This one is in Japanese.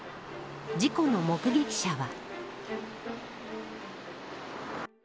事故の目撃者は。